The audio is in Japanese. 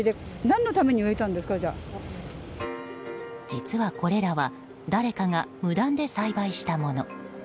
実はこれらは誰かが無断で栽培したもの。